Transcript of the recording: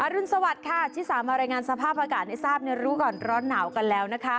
อรุณสวัสดิ์ค่ะที่สามารยังงานสภาพอากาศในทราบณรูก่อนร็อดหนาวก่อนแล้ว